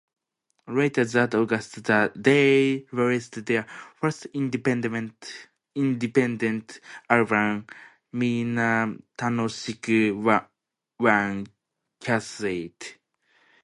Later that August, they released their first independent album, "Minna Tanoshiku", on cassette.